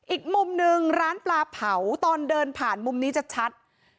อีกมุมหนึ่งร้านปลาเผาตอนเดินผ่านมุมนี้จะชัด